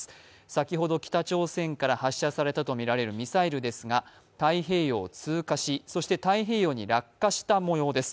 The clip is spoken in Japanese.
先ほど北朝鮮から発射されたとみられるミサイルですが、太平洋を通過し、そして太平洋に落下したもようです。